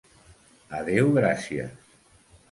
A Déu gràcies.